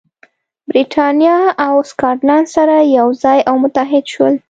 برېټانیا او سکاټلند سره یو ځای او متحد شول.